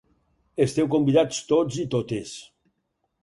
Esteu convidats tots i totes.